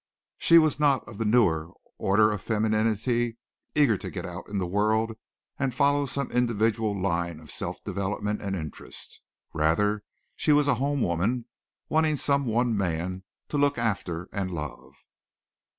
She was not of the newer order of femininity, eager to get out in the world and follow some individual line of self development and interest. Rather was she a home woman wanting some one man to look after and love.